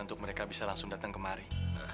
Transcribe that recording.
untuk mereka bisa langsung datang kemari